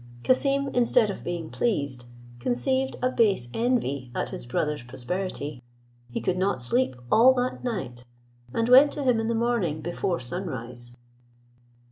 Cassim, instead of being pleased, conceived a base envy at his brother's prosperity; he could not sleep all that night, and went to him in the morning before sun rise.